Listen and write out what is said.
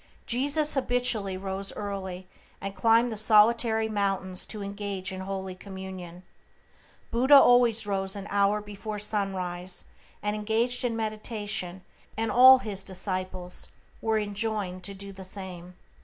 Jesus habitually rose early, and climbed the solitary mountains to engage in holy communion. Buddha always rose an hour before sunrise and engaged in meditation, and all his disciples were enjoined to do the same.